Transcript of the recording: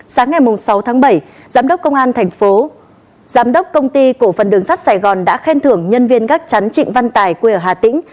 sáng ngày sáu tháng bảy giám đốc công an thành phố giám đốc công ty cổ phần đường sắt sài gòn đã khen thưởng nhân viên gác chắn trịnh văn tài quê ở hà tĩnh